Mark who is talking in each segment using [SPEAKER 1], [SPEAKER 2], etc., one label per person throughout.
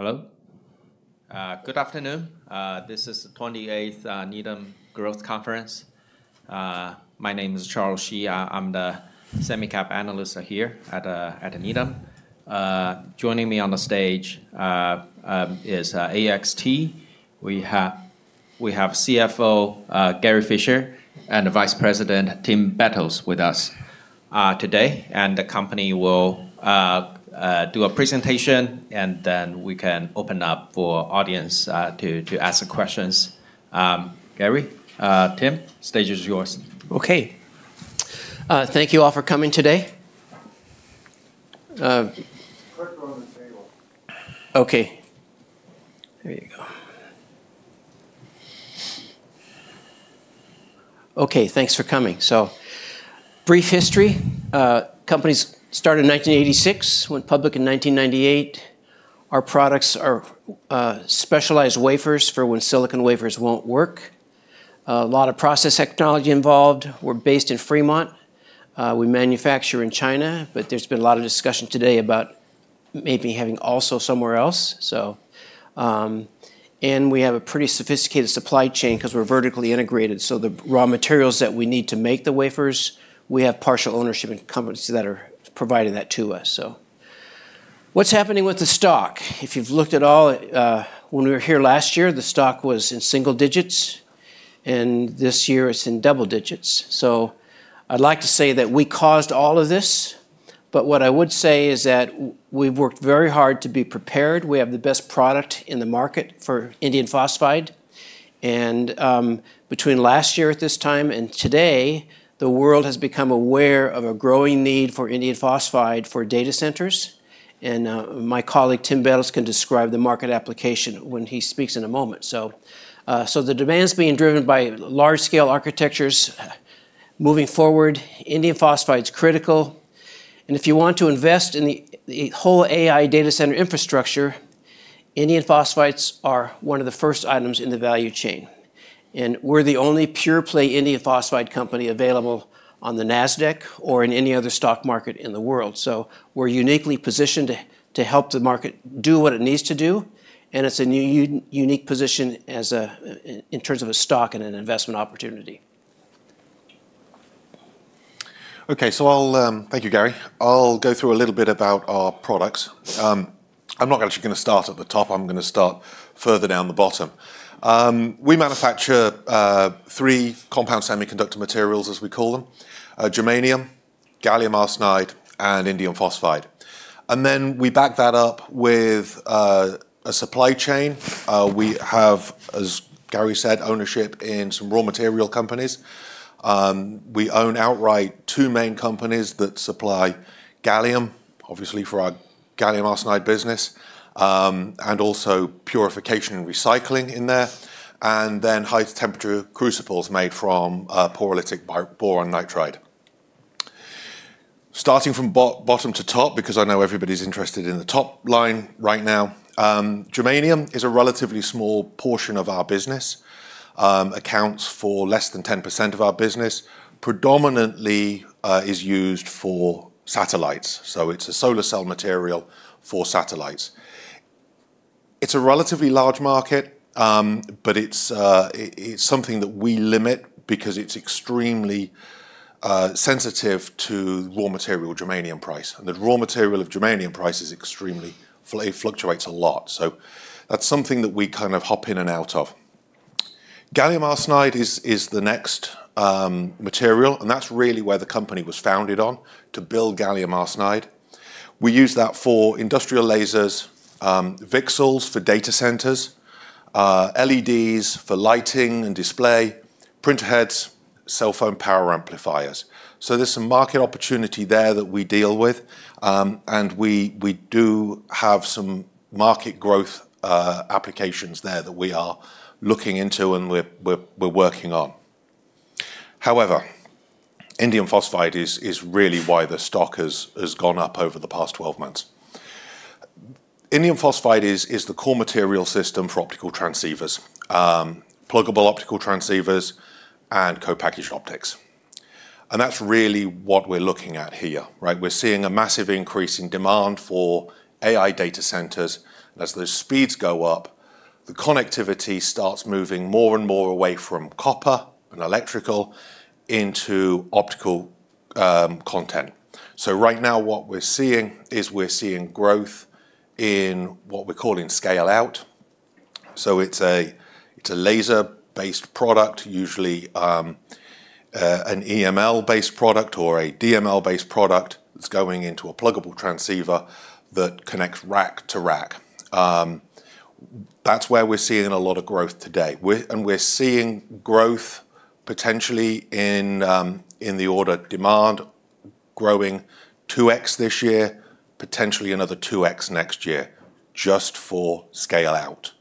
[SPEAKER 1] Hello. Good afternoon. This is the 28th Needham Growth Conference. My name is Charles Shi. I'm the Semicap Analyst here at Needham. Joining me on the stage is AXT. We have CFO Gary Fischer and Vice President Tim Bettles with us today. And the company will do a presentation, and then we can open up for audience to ask questions. Gary, Tim, stage is yours.
[SPEAKER 2] OK. Thank you all for coming today. OK. There you go. OK, thanks for coming. So, brief history. Company started in 1986, went public in 1998. Our products are specialized wafers for when silicon wafers won't work. A lot of process technology involved. We're based in Fremont. We manufacture in China, but there's been a lot of discussion today about maybe having also somewhere else. And we have a pretty sophisticated supply chain because we're vertically integrated. So, the raw materials that we need to make the wafers, we have partial ownership in companies that are providing that to us. So, what's happening with the stock? If you've looked at all, when we were here last year, the stock was in single digits. And this year it's in double digits. So, I'd like to say that we caused all of this. But what I would say is that we've worked very hard to be prepared. We have the best product in the market for indium phosphide, and between last year at this time and today, the world has become aware of a growing need for indium phosphide for data centers, and my colleague Tim Bettles can describe the market application when he speaks in a moment, so the demand's being driven by large-scale architectures. Moving forward, indium phosphide's critical, and if you want to invest in the whole AI data center infrastructure, indium phosphides are one of the first items in the value chain, and we're the only pure-play indium phosphide company available on the NASDAQ or in any other stock market in the world, so we're uniquely positioned to help the market do what it needs to do, and it's a unique position in terms of a stock and an investment opportunity.
[SPEAKER 3] Okay, so I'll thank you, Gary. I'll go through a little bit about our products. I'm not actually going to start at the top. I'm going to start further down the bottom. We manufacture three compound semiconductor materials, as we call them, germanium, gallium arsenide, and indium phosphide. And then we back that up with a supply chain. We have, as Gary said, ownership in some raw material companies. We own outright two main companies that supply gallium, obviously for our gallium arsenide business, and also purification and recycling in there, and then high-temperature crucibles made from pyrolytic boron nitride. Starting from bottom to top, because I know everybody's interested in the top line right now, germanium is a relatively small portion of our business. It accounts for less than 10% of our business. Predominantly, it is used for satellites. So it's a solar cell material for satellites. It's a relatively large market, but it's something that we limit because it's extremely sensitive to raw material germanium price, and the raw material of germanium price fluctuates a lot, so that's something that we kind of hop in and out of. Gallium arsenide is the next material, and that's really where the company was founded on, to build gallium arsenide. We use that for industrial lasers, VCSELs for data centers, LEDs for lighting and display, printer heads, cell phone power amplifiers, so there's some market opportunity there that we deal with, and we do have some market growth applications there that we are looking into and we're working on. However, indium phosphide is really why the stock has gone up over the past 12 months. Indium phosphide is the core material system for optical transceivers, pluggable optical transceivers, and co-packaged optics, and that's really what we're looking at here. We're seeing a massive increase in demand for AI data centers. As the speeds go up, the connectivity starts moving more and more away from copper and electrical into optical connectivity. So right now, what we're seeing is we're seeing growth in what we're calling scale-out. So it's a laser-based product, usually an EML-based product or a DML-based product that's going into a pluggable transceiver that connects rack to rack. That's where we're seeing a lot of growth today. And we're seeing growth potentially in the order demand growing 2× this year, potentially another 2× next year just for scale-out.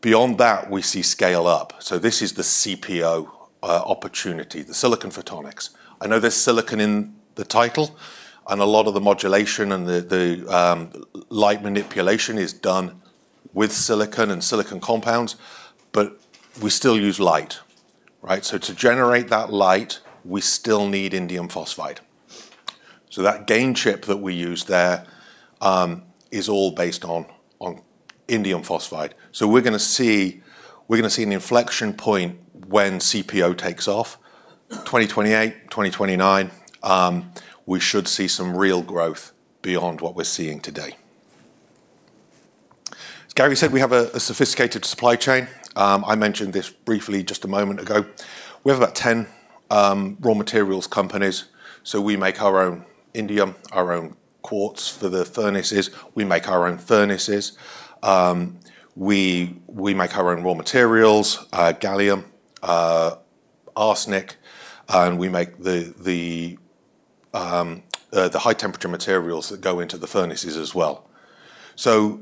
[SPEAKER 3] Beyond that, we see scale-up. So this is the CPO opportunity, the silicon photonics. I know there's silicon in the title. And a lot of the modulation and the light manipulation is done with silicon and silicon compounds. But we still use light. So to generate that light, we still need indium phosphide. So that gain chip that we use there is all based on indium phosphide. So we're going to see an inflection point when CPO takes off. 2028, 2029, we should see some real growth beyond what we're seeing today. As Gary said, we have a sophisticated supply chain. I mentioned this briefly just a moment ago. We have about 10 raw materials companies. So we make our own indium, our own quartz for the furnaces. We make our own furnaces. We make our own raw materials, gallium, arsenic. And we make the high-temperature materials that go into the furnaces as well. So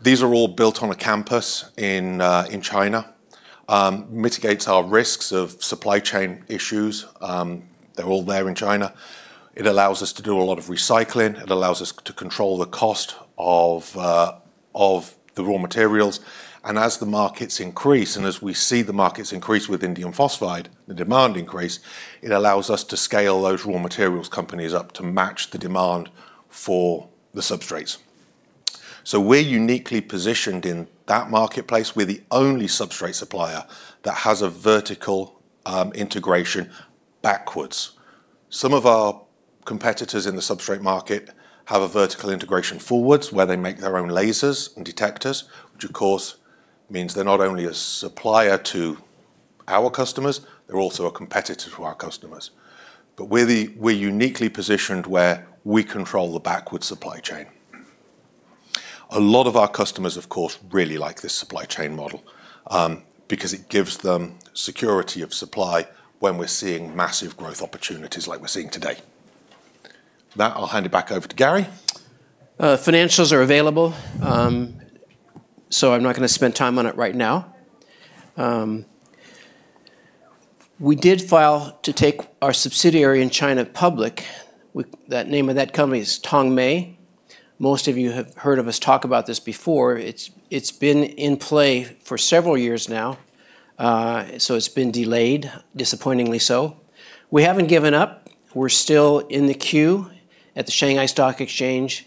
[SPEAKER 3] these are all built on a campus in China. It mitigates our risks of supply chain issues. They're all there in China. It allows us to do a lot of recycling. It allows us to control the cost of the raw materials. And as the markets increase, and as we see the markets increase with indium phosphide, the demand increases, it allows us to scale those raw materials companies up to match the demand for the substrates. So we're uniquely positioned in that marketplace. We're the only substrate supplier that has a vertical integration backwards. Some of our competitors in the substrate market have a vertical integration forwards where they make their own lasers and detectors, which of course means they're not only a supplier to our customers, they're also a competitor to our customers. But we're uniquely positioned where we control the backwards supply chain. A lot of our customers, of course, really like this supply chain model because it gives them security of supply when we're seeing massive growth opportunities like we're seeing today. With that, I'll hand it back over to Gary.
[SPEAKER 2] Financials are available. So I'm not going to spend time on it right now. We did file to take our subsidiary in China public. The name of that company is Tongmei. Most of you have heard of us talk about this before. It's been in play for several years now. So it's been delayed, disappointingly so. We haven't given up. We're still in the queue at the Shanghai Stock Exchange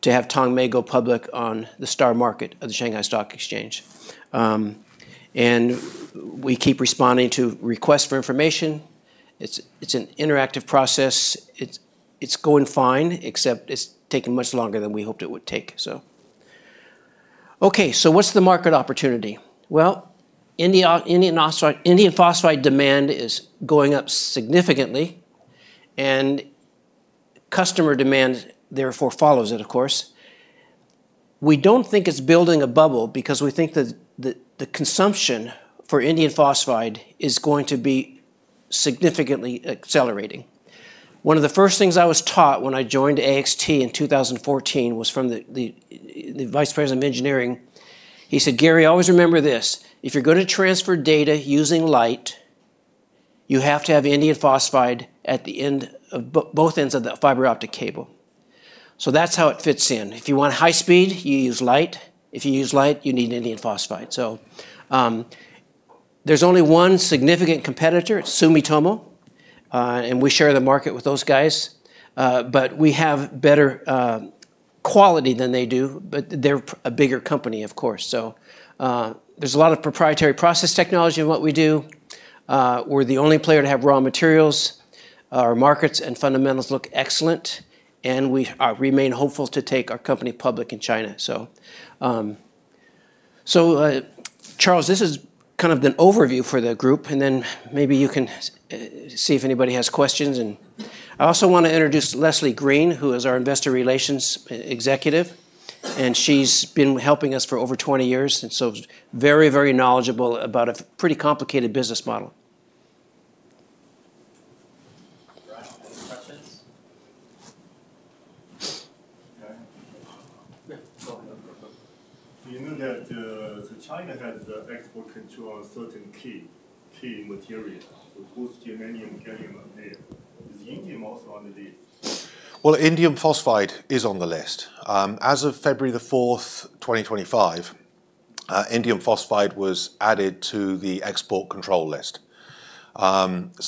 [SPEAKER 2] to have Tongmei go public on the STAR Market of the Shanghai Stock Exchange. And we keep responding to requests for information. It's an interactive process. It's going fine, except it's taking much longer than we hoped it would take. Ok, so what's the market opportunity? Well, indium phosphide demand is going up significantly. And customer demand, therefore, follows it, of course. We don't think it's building a bubble because we think that the consumption for indium phosphide is going to be significantly accelerating. One of the first things I was taught when I joined AXT in 2014 was from the vice president of engineering. He said, Gary, always remember this. If you're going to transfer data using light, you have to have indium phosphide at the end of both ends of the fiber optic cable. So that's how it fits in. If you want high speed, you use light. If you use light, you need indium phosphide. So there's only one significant competitor. It's Sumitomo, and we share the market with those guys. But we have better quality than they do, but they're a bigger company, of course. So there's a lot of proprietary process technology in what we do. We're the only player to have raw materials. Our markets and fundamentals look excellent, and we remain hopeful to take our company public in China, so Charles, this is kind of an overview for the group, and then maybe you can see if anybody has questions, and I also want to introduce Leslie Green, who is our investor relations executive, and she's been helping us for over 20 years, and so very, very knowledgeable about a pretty complicated business model. Do you know that China has export control on certain key materials, both germanium and gallium arsenide? Is indium also on the list?
[SPEAKER 3] Indium phosphide is on the list. As of February the 4th, 2025, indium phosphide was added to the export control list. For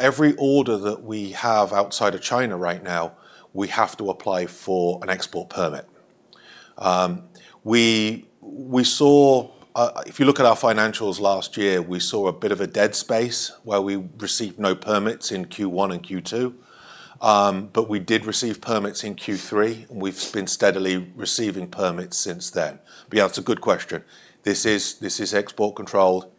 [SPEAKER 3] every order that we have outside of China right now, we have to apply for an export permit. If you look at our financials last year, we saw a bit of a dead space where we received no permits in Q1 and Q2. We did receive permits in Q3. We've been steadily receiving permits since then. Yeah, that's a good question. This is export controlled.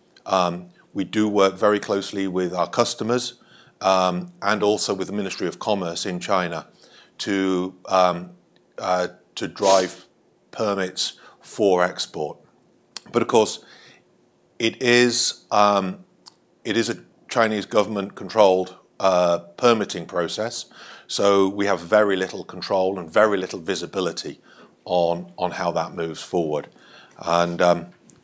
[SPEAKER 3] We do work very closely with our customers and also with the Ministry of Commerce in China to drive permits for export. Of course, it is a Chinese government-controlled permitting process. We have very little control and very little visibility on how that moves forward.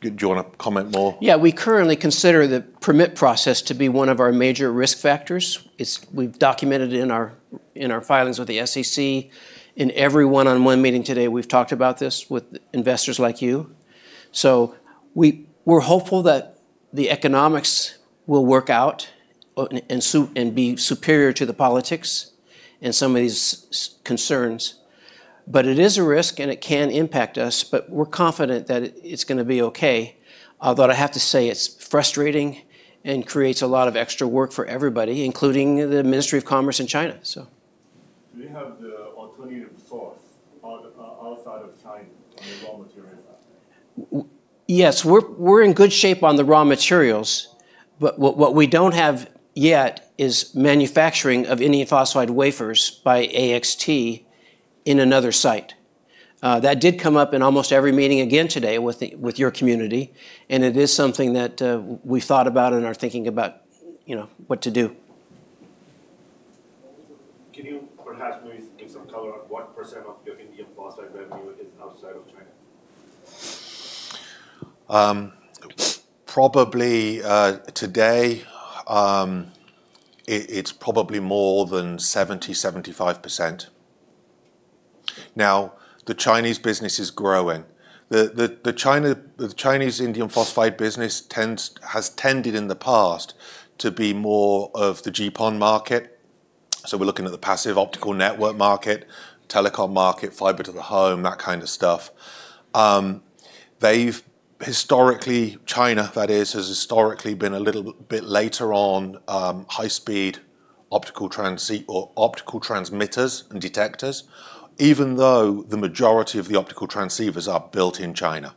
[SPEAKER 3] Do you want to comment more?
[SPEAKER 2] Yeah, we currently consider the permit process to be one of our major risk factors. We've documented it in our filings with the SEC. In every one-on-one meeting today, we've talked about this with investors like you. So we're hopeful that the economics will work out and be superior to the politics and some of these concerns. But it is a risk. And it can impact us. But we're confident that it's going to be okay. Although I have to say, it's frustrating and creates a lot of extra work for everybody, including the Ministry of Commerce in China. Do you have the alternative source outside of China on the raw materials? Yes, we're in good shape on the raw materials. But what we don't have yet is manufacturing of indium phosphide wafers by AXT in another site. That did come up in almost every meeting again today with your community. And it is something that we've thought about and are thinking about what to do. Can you perhaps maybe give some color on what % of your indium phosphide revenue is outside of China?
[SPEAKER 3] Probably today, it's probably more than 70%, 75%. Now, the Chinese business is growing. The Chinese indium phosphide business has tended in the past to be more of the GPON market. So we're looking at the passive optical network market, telecom market, fiber to the home, that kind of stuff. China has historically been a little bit later on high-speed optical transmitters and detectors, even though the majority of the optical transceivers are built in China.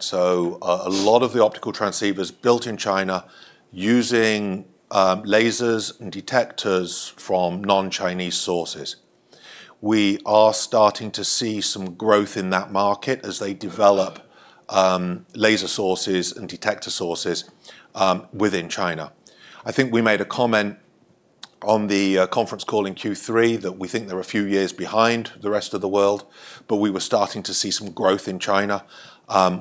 [SPEAKER 3] So a lot of the optical transceivers are built in China using lasers and detectors from non-Chinese sources. We are starting to see some growth in that market as they develop laser sources and detector sources within China. I think we made a comment on the conference call in Q3 that we think they're a few years behind the rest of the world. But we were starting to see some growth in China.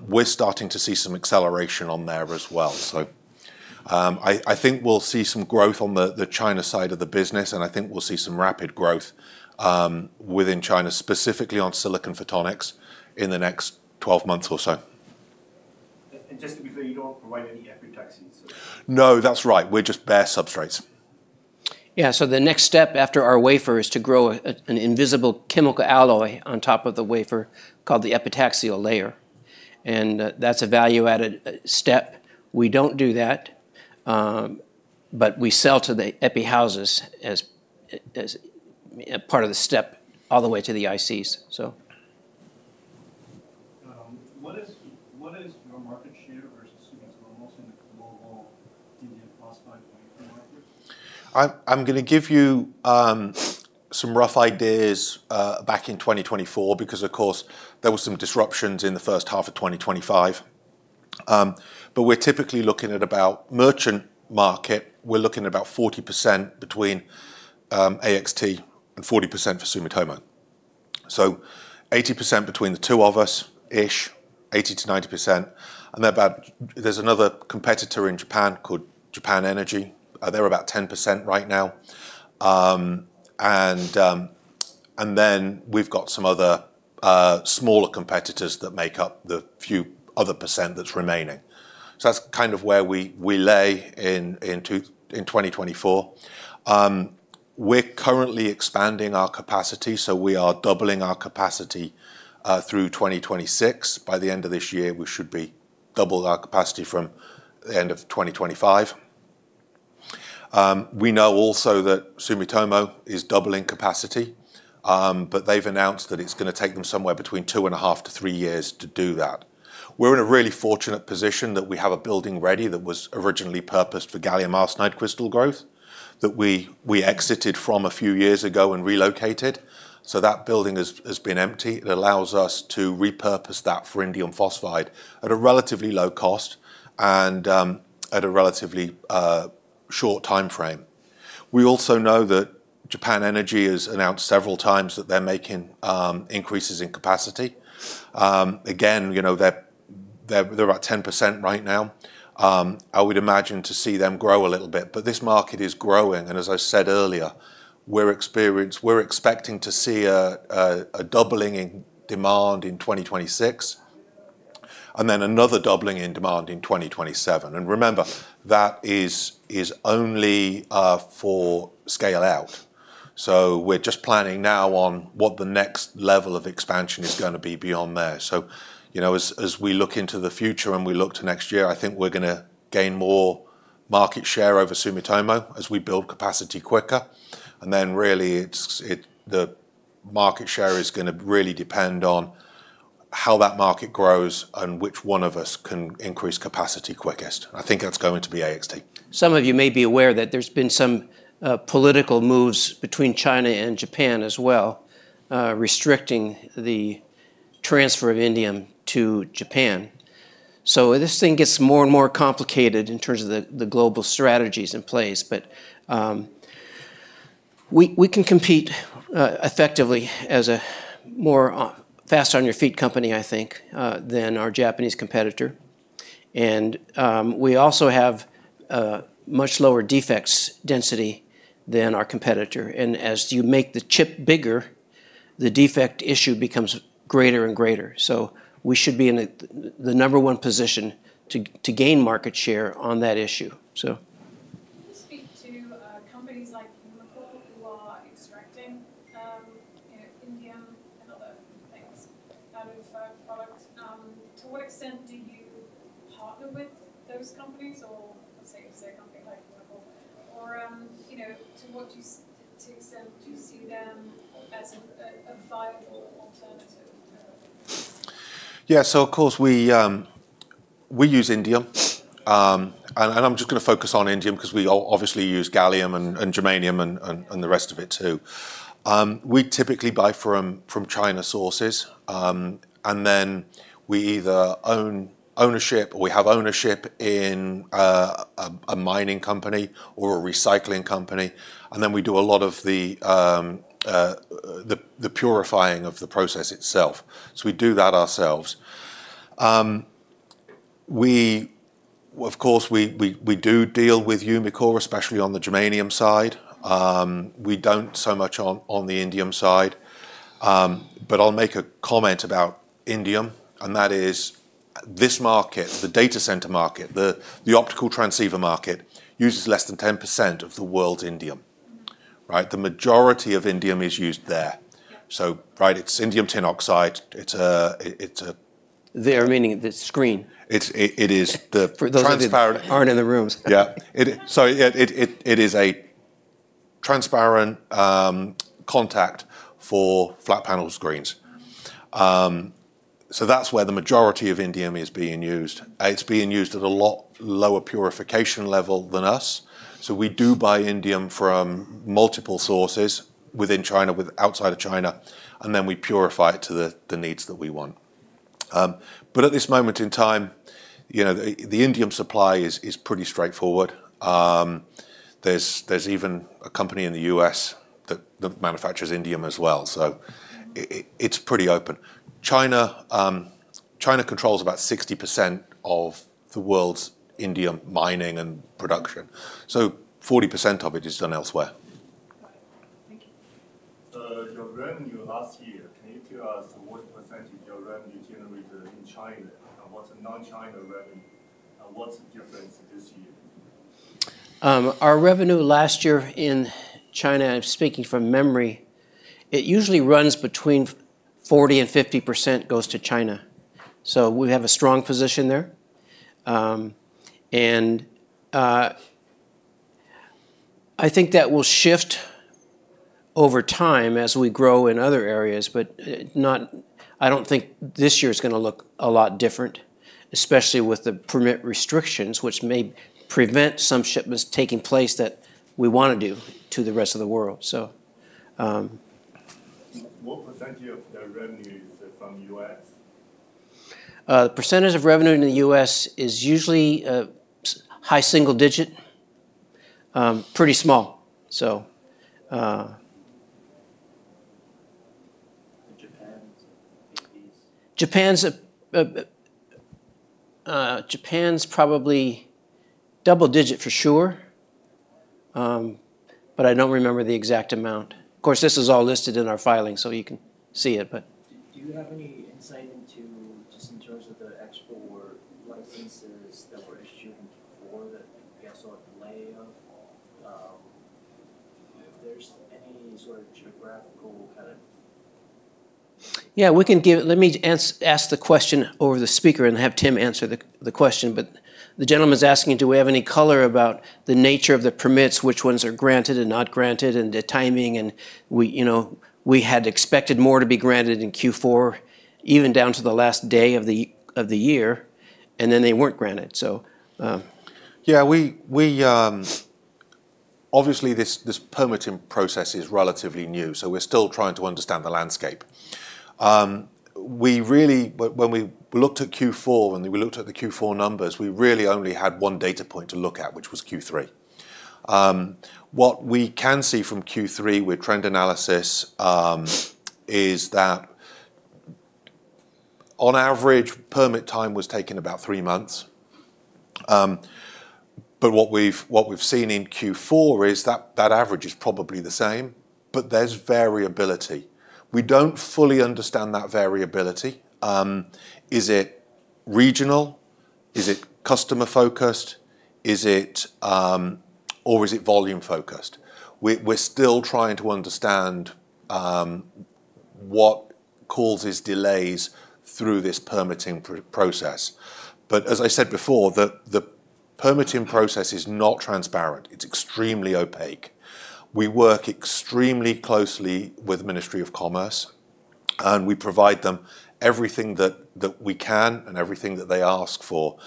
[SPEAKER 3] We're starting to see some acceleration on there as well, so I think we'll see some growth on the China side of the business, and I think we'll see some rapid growth within China, specifically on silicon photonics, in the next 12 months or so. Just to be clear, you don't provide any epitaxial substrate? No, that's right. We're just bare substrates.
[SPEAKER 2] Yeah, so the next step after our wafer is to grow an invisible chemical alloy on top of the wafer called the epitaxial layer, and that's a value-added step. We don't do that, but we sell to the epi houses as part of the step all the way to the ICs. What is your market share versus most of the global indium phosphide market?
[SPEAKER 3] I'm going to give you some rough ideas back in 2024 because, of course, there were some disruptions in the first half of 2025, but we're typically looking at about merchant market. We're looking at about 40% between AXT and 40% for Sumitomo, so 80% between the two of us-ish, 80% to 90%, and there's another competitor in Japan called Japan Energy. They're about 10% right now, and then we've got some other smaller competitors that make up the few other percent that's remaining, so that's kind of where we lay in 2024. We're currently expanding our capacity, so we are doubling our capacity through 2026. By the end of this year, we should be double our capacity from the end of 2025. We know also that Sumitomo is doubling capacity. But they've announced that it's going to take them somewhere between two and a half to three years to do that. We're in a really fortunate position that we have a building ready that was originally purposed for gallium arsenide crystal growth that we exited from a few years ago and relocated. So that building has been empty. It allows us to repurpose that for indium phosphide at a relatively low cost and at a relatively short time frame. We also know that Japan Energy has announced several times that they're making increases in capacity. Again, they're about 10% right now. I would imagine to see them grow a little bit. But this market is growing. And as I said earlier, we're expecting to see a doubling in demand in 2026 and then another doubling in demand in 2027. And remember, that is only for scale out. So we're just planning now on what the next level of expansion is going to be beyond there. So as we look into the future and we look to next year, I think we're going to gain more market share over Sumitomo as we build capacity quicker. And then really, the market share is going to really depend on how that market grows and which one of us can increase capacity quickest. I think that's going to be AXT.
[SPEAKER 2] Some of you may be aware that there's been some political moves between China and Japan as well, restricting the transfer of indium to Japan. So this thing gets more and more complicated in terms of the global strategies in place. But we can compete effectively as a more fast on your feet company, I think, than our Japanese competitor. And we also have much lower defect density than our competitor. And as you make the chip bigger, the defect issue becomes greater and greater. So we should be in the number one position to gain market share on that issue. Can you speak to companies like Umicore who are extracting indium and other? To what extent do you partner with those companies? Or say a company like Umicore. Or to what extent do you see them as a viable alternative?
[SPEAKER 3] Yeah, so of course, we use indium. And I'm just going to focus on indium because we obviously use gallium and germanium and the rest of it too. We typically buy from China sources. And then we either own ownership or we have ownership in a mining company or a recycling company. And then we do a lot of the purifying of the process itself. So we do that ourselves. Of course, we do deal with Umicore, especially on the germanium side. We don't so much on the indium side. But I'll make a comment about indium. And that is this market, the data center market, the optical transceiver market uses less than 10% of the world's indium. The majority of indium is used there. So it's indium tin oxide. It's a.
[SPEAKER 2] There, meaning the screen.
[SPEAKER 3] It is the transparent.
[SPEAKER 2] For those that aren't in the room.
[SPEAKER 3] Yeah. So it is a transparent contact for flat panel screens. So that's where the majority of indium is being used. It's being used at a lot lower purification level than us. So we do buy indium from multiple sources within China, outside of China. And then we purify it to the needs that we want. But at this moment in time, the indium supply is pretty straightforward. There's even a company in the U.S. that manufactures indium as well. So it's pretty open. China controls about 60% of the world's indium mining and production. So 40% of it is done elsewhere. Your revenue last year, can you tell us what percentage of your revenue generated in China and what's the non-China revenue? And what's the difference this year?
[SPEAKER 2] Our revenue last year in China. I'm speaking from memory. It usually runs between 40% and 50% goes to China, so we have a strong position there, and I think that will shift over time as we grow in other areas, but I don't think this year is going to look a lot different, especially with the permit restrictions, which may prevent some shipments taking place that we want to do to the rest of the world. What percentage of the revenue is from the U.S.? The percentage of revenue in the U.S. is usually high single digit, pretty small. And Japan's? Japan's probably double digit for sure. But I don't remember the exact amount. Of course, this is all listed in our filing, so you can see it. Do you have any insight into just in terms of the export licenses that were issued before that we saw a delay of? If there's any Yeah, let me ask the question over the speaker and have Tim answer the question. But the gentleman's asking, do we have any color about the nature of the permits, which ones are granted and not granted, and the timing? And we had expected more to be granted in Q4, even down to the last day of the year. And then they weren't granted.
[SPEAKER 3] Yeah, obviously, this permitting process is relatively new. So we're still trying to understand the landscape. When we looked at Q4 and we looked at the Q4 numbers, we really only had one data point to look at, which was Q3. What we can see from Q3 with trend analysis is that on average, permit time was taken about three months. But what we've seen in Q4 is that that average is probably the same. But there's variability. We don't fully understand that variability. Is it regional? Is it customer focused? Or is it volume focused? We're still trying to understand what causes delays through this permitting process. But as I said before, the permitting process is not transparent. It's extremely opaque. We work extremely closely with the Ministry of Commerce. And we provide them everything that we can and everything that they ask for.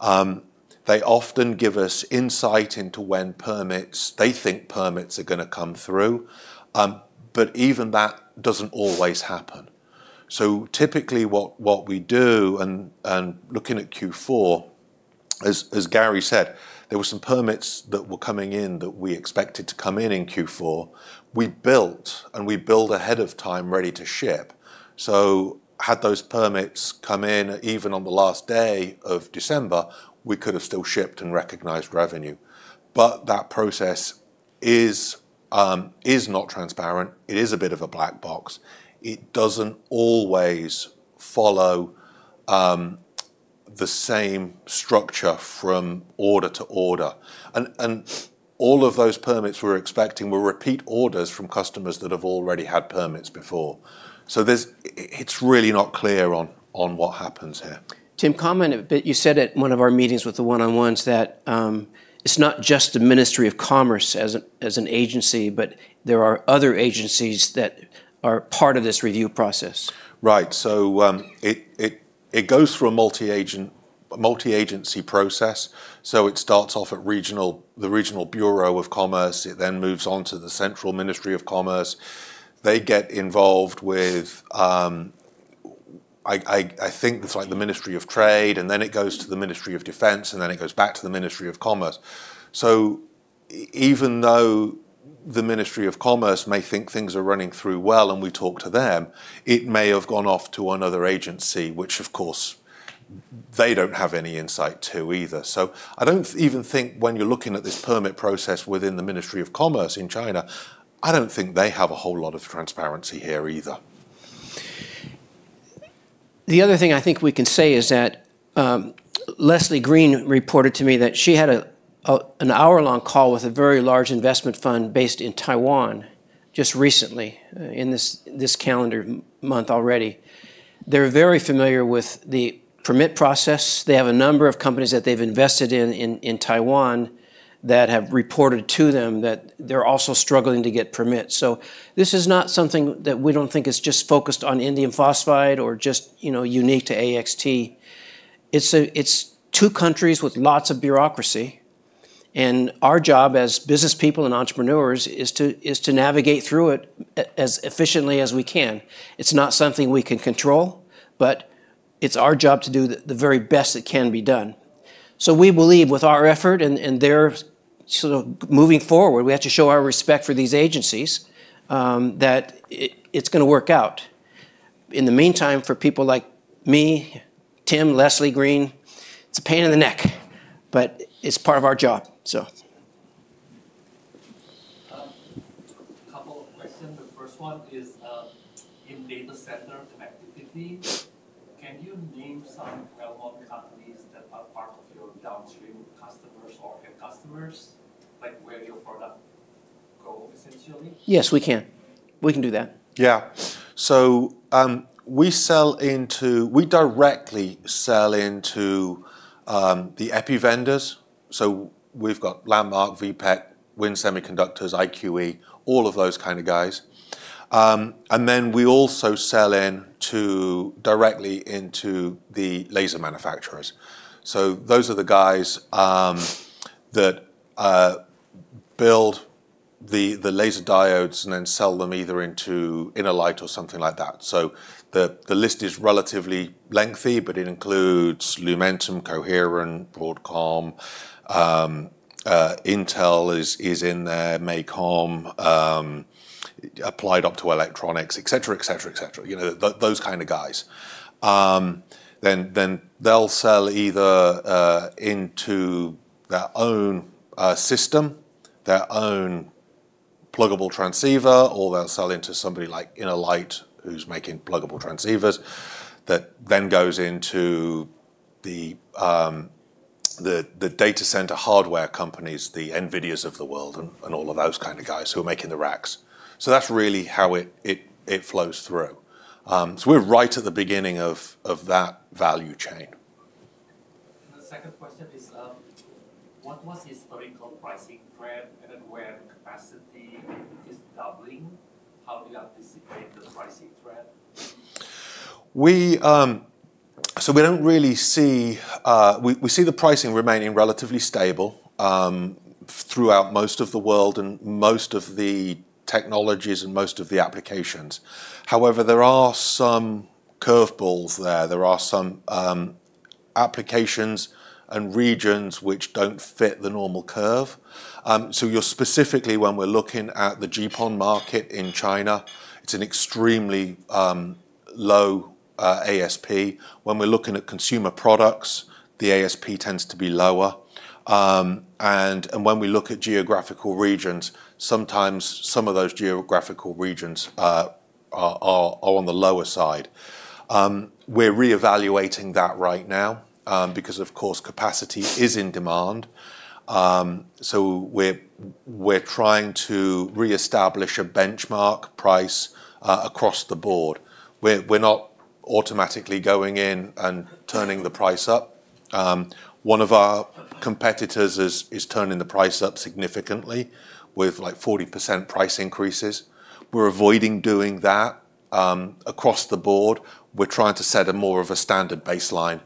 [SPEAKER 3] They often give us insight into when they think permits are going to come through. But even that doesn't always happen. So typically, what we do, and looking at Q4, as Gary said, there were some permits that were coming in that we expected to come in in Q4. We built, and we build ahead of time ready to ship. So had those permits come in even on the last day of December, we could have still shipped and recognized revenue. But that process is not transparent. It is a bit of a black box. It doesn't always follow the same structure from order to order. And all of those permits we're expecting were repeat orders from customers that have already had permits before. So it's really not clear on what happens here.
[SPEAKER 2] Tim, comment a bit. You said at one of our meetings with the one-on-ones that it's not just the Ministry of Commerce as an agency, but there are other agencies that are part of this review process.
[SPEAKER 3] Right. So it goes through a multi-agency process. So it starts off at the Regional Bureau of Commerce. It then moves on to the Central Ministry of Commerce. They get involved with, I think, the Ministry of Trade. And then it goes to the Ministry of Defense. And then it goes back to the Ministry of Commerce. So even though the Ministry of Commerce may think things are running through well and we talk to them, it may have gone off to another agency, which, of course, they don't have any insight to either. So I don't even think when you're looking at this permit process within the Ministry of Commerce in China, I don't think they have a whole lot of transparency here either.
[SPEAKER 2] The other thing I think we can say is that Leslie Green reported to me that she had an hour-long call with a very large investment fund based in Taiwan just recently in this calendar month already. They're very familiar with the permit process. They have a number of companies that they've invested in Taiwan that have reported to them that they're also struggling to get permits. So this is not something that we don't think is just focused on indium phosphide or just unique to AXT. It's two countries with lots of bureaucracy. And our job as business people and entrepreneurs is to navigate through it as efficiently as we can. It's not something we can control. But it's our job to do the very best that can be done. We believe with our effort and their moving forward, we have to show our respect for these agencies that it's going to work out. In the meantime, for people like me, Tim, Leslie Green, it's a pain in the neck. But it's part of our job. A couple of questions. The first one is in data center connectivity. Can you name some well-known companies that are part of your downstream customers or end customers, essentially? Yes, we can. We can do that.
[SPEAKER 3] Yeah. So we directly sell into the epi vendors. So we've got LandMark, VPEC, WIN Semiconductors, IQE, all of those kind of guys. And then we also sell directly into the laser manufacturers. So those are the guys that build the laser diodes and then sell them either into InnoLight or something like that. So the list is relatively lengthy. But it includes Lumentum, Coherent, Broadcom. Intel is in there, MACOM, Applied Optoelectronics, et cetera, et cetera, et cetera. Those kind of guys. Then they'll sell either into their own system, their own pluggable transceiver, or they'll sell into somebody like InnoLight who's making pluggable transceivers that then goes into the data center hardware companies, the NVIDIAs of the world, and all of those kind of guys who are making the racks. So that's really how it flows through. So we're right at the beginning of that value chain. The second question is, what was the historical pricing threat, and where capacity is doubling, how do you anticipate the pricing threat? So we don't really see the pricing remaining relatively stable throughout most of the world and most of the technologies and most of the applications. However, there are some curveballs there. There are some applications and regions which don't fit the normal curve. Specifically, when we're looking at the GPON market in China, it's an extremely low ASP. When we're looking at consumer products, the ASP tends to be lower. And when we look at geographical regions, sometimes some of those geographical regions are on the lower side. We're reevaluating that right now because, of course, capacity is in demand. So we're trying to reestablish a benchmark price across the board. We're not automatically going in and turning the price up. One of our competitors is turning the price up significantly with like 40% price increases. We're avoiding doing that across the board. We're trying to set more of a standard baseline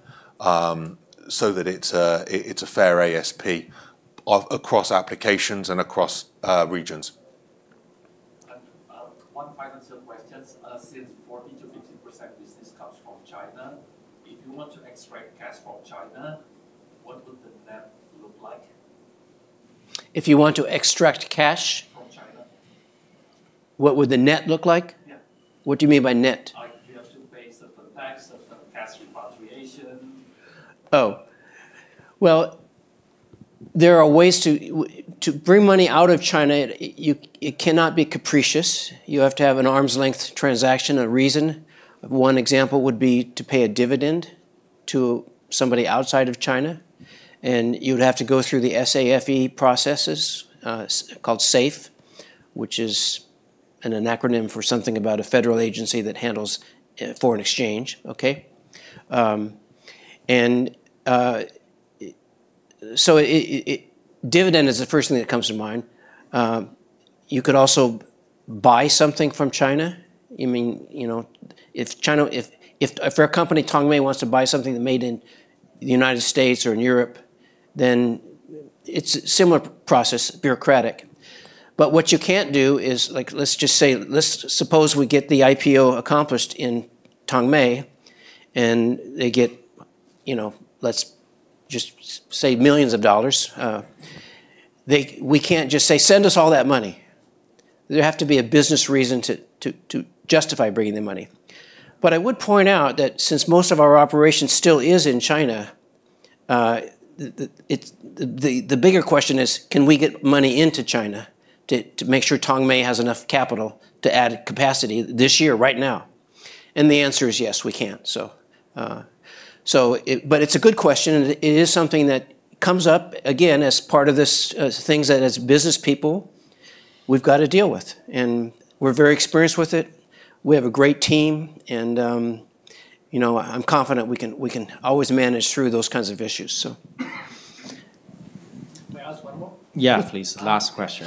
[SPEAKER 3] so that it's a fair ASP across applications and across regions. Since 40%-50% business comes from China, if you want to extract cash from China, what would the net look like?
[SPEAKER 2] If you want to extract cash? From China. What would the net look like? Yeah. What do you mean by net? You have to pay certain taxes, tax repatriation. Oh. Well, there are ways to bring money out of China. It cannot be capricious. You have to have an arm's length transaction, a reason. One example would be to pay a dividend to somebody outside of China. And you would have to go through the SAFE processes called SAFE, which is an acronym for something about a federal agency that handles foreign exchange. And so dividend is the first thing that comes to mind. You could also buy something from China. I mean, if a company, Tongmei, wants to buy something made in the United States or in Europe, then it's a similar process, bureaucratic. But what you can't do is, let's just say, let's suppose we get the IPO accomplished in Tongmei. And they get, let's just say, millions of dollars. We can't just say, send us all that money. There has to be a business reason to justify bringing the money. But I would point out that since most of our operation still is in China, the bigger question is, can we get money into China to make sure Tongmei has enough capital to add capacity this year, right now? And the answer is yes, we can't. But it's a good question. It is something that comes up again as part of these things that, as business people, we've got to deal with. And we're very experienced with it. We have a great team. And I'm confident we can always manage through those kinds of issues. May I ask one more? Yeah, please. Last question.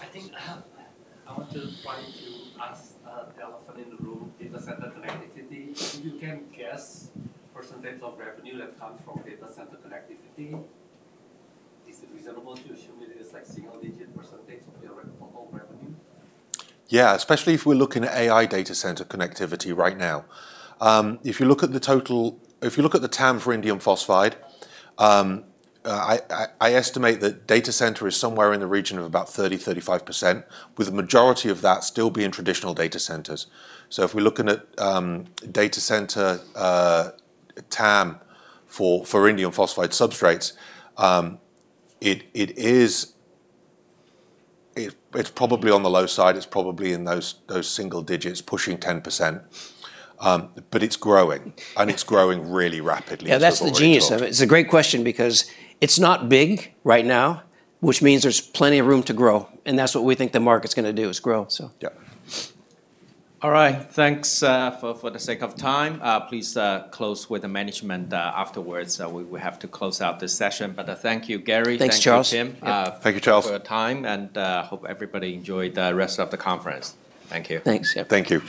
[SPEAKER 2] I think I want to try to ask the elephant in the room, data center connectivity. If you can guess the percentage of revenue that comes from data center connectivity, is it reasonable to assume it is like single-digit % of your total revenue?
[SPEAKER 3] Yeah, especially if we're looking at AI data center connectivity right now. If you look at the TAM for indium phosphide, I estimate that data center is somewhere in the region of about 30%-35%, with the majority of that still being traditional data centers. So if we're looking at data center TAM for indium phosphide substrates, it's probably on the low side. It's probably in those single digits, pushing 10%. But it's growing. And it's growing really rapidly.
[SPEAKER 2] Yeah, that's the genius of it. It's a great question because it's not big right now, which means there's plenty of room to grow. And that's what we think the market's going to do, is grow.
[SPEAKER 3] Yeah.
[SPEAKER 1] All right. Thanks for the sake of time. Please close with the management afterwards. We have to close out this session. But thank you, Gary.
[SPEAKER 2] Thanks, Charles.
[SPEAKER 1] Thank you, Tim, for your time, and I hope everybody enjoyed the rest of the conference. Thank you.
[SPEAKER 2] Thanks.
[SPEAKER 3] Thank you.